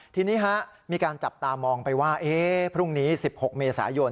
ทีนี้มีการจับตามองไปว่าพรุ่งนี้๑๖เมษายน